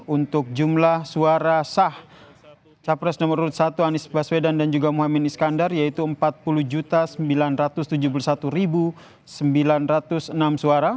untuk jumlah suara sah capres nomor urut satu anies baswedan dan juga mohaimin iskandar yaitu empat puluh sembilan ratus tujuh puluh satu sembilan ratus enam suara